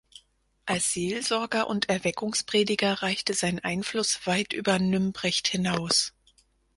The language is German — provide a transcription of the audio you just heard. Als Seelsorger und Erweckungsprediger reichte sein Einfluss weit über Nümbrecht hinaus.